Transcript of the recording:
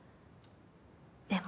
でも。